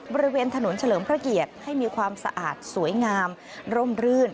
บริเวณถนนเฉลิมพระเกียรติให้มีความสะอาดสวยงามร่มรื่น